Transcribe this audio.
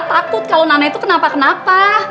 takut kalau nana itu kenapa kenapa